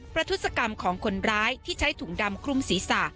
ทุศกรรมของคนร้ายที่ใช้ถุงดำคลุมศีรษะ